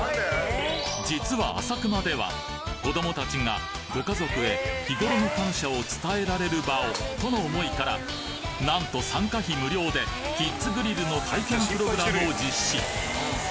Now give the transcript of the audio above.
実はあさくまでは子どもたちがご家族へ日頃の感謝を伝えられる場をとの想いからなんと参加費無料でキッズグリルの体験プログラムを実施